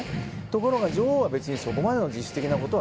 ところが女王は別にそこまではしない。